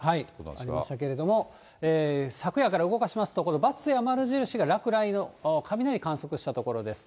出ましたけれども、昨夜から動かしますと、ばつや丸印が落雷を、雷観測した所です。